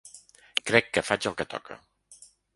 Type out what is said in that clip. Crec que faig el que toca.